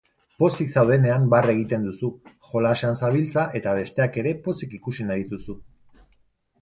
Pozik zaudenean barre egiten duzu, jolasean zabiltza eta besteak ere pozik ikusi nahi dituzu.